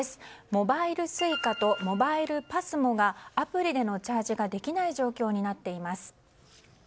モバイルＳｕｉｃａとモバイルＰＡＳＭＯがアプリでのチャージができない状況になっています。